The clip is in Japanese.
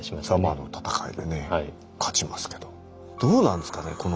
ザマの戦いでね勝ちますけどどうなんですかね？